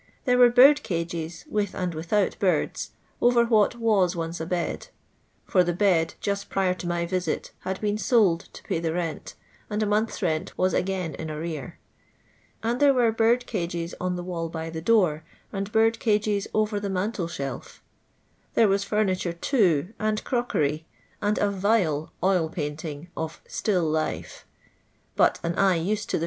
There were bird cages, with and without birds, over what uat once a bed ; for the bed, just prior to my visit, had been sold to pay the rent, and a month's rent was again in arrear ; and there were bird cages on the wall by the door, and bird cages over the mantelshelf, There was furniture, too, and crockery ; and a vile oil painting of still life ;" but an eye used to the